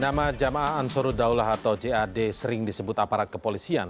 nama jamaah ansuru daulah atau jad sering disebut aparat kepolisian